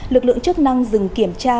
lực lượng chức năng dừng kiểm tra